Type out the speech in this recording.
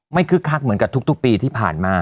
คึกคักเหมือนกับทุกปีที่ผ่านมา